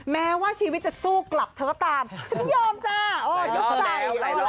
แม้ว่าชีวิตจะสู้กลับเธอก็ตามฉันยอมจ้ายกใจ